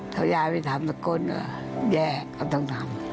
ถ้ายายไปทำสักคนแยกก็ต้องทำ